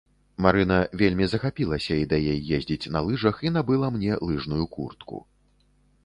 Марына вельмі захапілася ідэяй ездзіць на лыжах і набыла мне лыжную куртку.